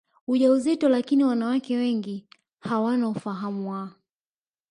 ujauzito lakini wanawake wengi hawana ufahamu wa